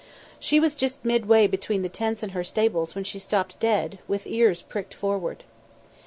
She was just midway between the tents and her stables when she stopped dead, with ears pricked forward.